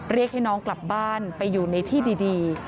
เรียกให้น้องกลับบ้านไปอยู่ในที่ดี